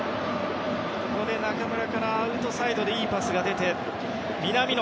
ここで中村からアウトサイドでいいパスが出て、南野。